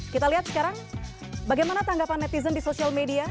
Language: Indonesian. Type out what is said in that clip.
kita lihat sekarang bagaimana tanggapan netizen di sosial media